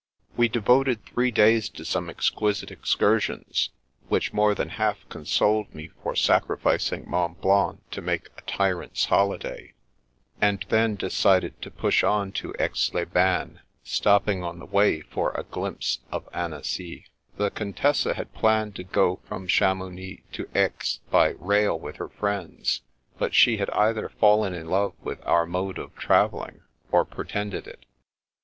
We devoted three da)rs to some exquisite excur sions, which more than half consoled me for sacri ficing Mont Blanc to make a tyrant's holiday, and then decided to push on to Aix les Bains, stopping on the way for a glimpse of Annecy* The Contessa had planned to go from Chamounix to Aix by rail with her friends, but she had either fallen in love with our mode of travelling or pre tended it.